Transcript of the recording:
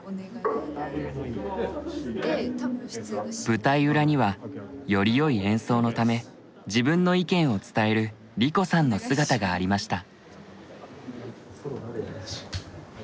舞台裏にはよりよい演奏のため自分の意見を伝える梨子さんの姿がありました。